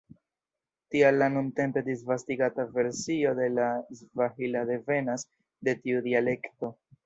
Tial la nuntempe disvastigata versio de la svahila devenas de tiu dialekto.